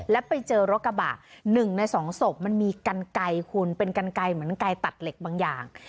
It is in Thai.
แล้วไปเจอรถกระบะ๑ใน๒ศพมันมีกันไกลคุณเป็นกันไกลเหมือนไก่ตัดเหล็กบางอย่าง